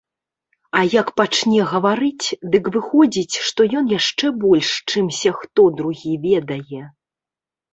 А як пачне гаварыць, дык выходзіць, што ён яшчэ больш, чымся хто другі, ведае.